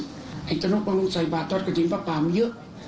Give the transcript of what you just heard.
ให้ต้องกำลังใส่บาททอดกระทิมปะป่ามาเยอะ